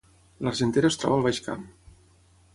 L’Argentera es troba al Baix Camp